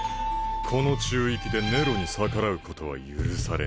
この宙域でネロに逆らうことは許されない。